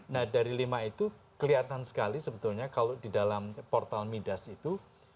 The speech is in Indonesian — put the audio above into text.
nah dari lima itu kelihatan sekali sebetulnya kalau di dalam portal midas itu